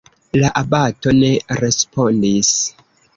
La abato ne respondis.